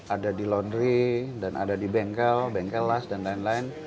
ada di laundry dan ada di bengkel bengkel las dan lain lain